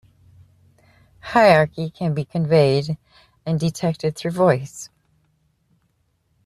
Hierarchy can be conveyed and detected through voice.